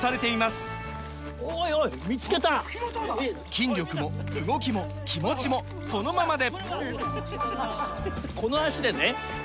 筋力も動きも気持ちもこのままで！